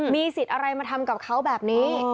มีสิทธิ์อะไรมาทำกับเขาแบบนี้